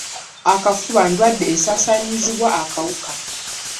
Akafuba ndwadde esaasaanyizibwa akawuka.